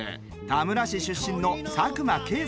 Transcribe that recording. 田村市出身の佐久間啓介さん。